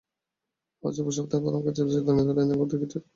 আজ রোববার সপ্তাহের প্রথম কার্যদিবসে দৈনন্দিন লেনদেনের গতি কিছুটা কম ডিএসইতে।